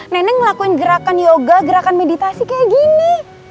neneng ngelakuin gerakan yoga gerakan meditasi kayak gini